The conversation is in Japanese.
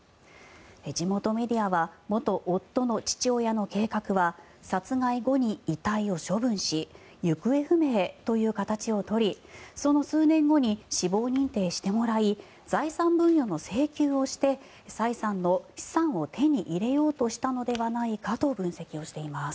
地元メディアは元夫の父親の計画は殺害後に遺体を処分し行方不明という形を取りその数年後に死亡認定してもらい財産分与の請求をしてサイさんの資産を手に入れようとしたのではないかと分析をしています。